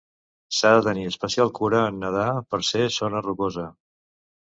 S'ha de tenir especial cura en nedar per ser zona rocosa.